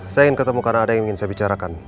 saya ingin ketemu karena ada yang ingin saya bicarakan